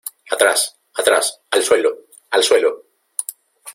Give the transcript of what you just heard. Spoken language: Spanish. ¡ Atrás! ¡ atrás !¡ al suelo !¡ al suelo !